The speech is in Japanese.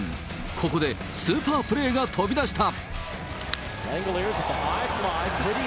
ここで、スーパープレーが飛び出した。